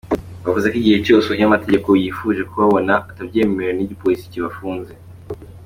Bavuze ko igihe cyose umunyamategeko yifuje kubabona atabyemerewe n'igipolisi kibafunze.